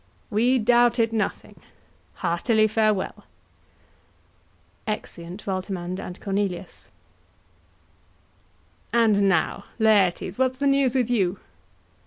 KING. We doubt it nothing: heartily farewell. [Exeunt Voltemand and Cornelius.] And now, Laertes, what's the news with you?